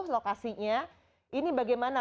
lokasinya ini bagaimana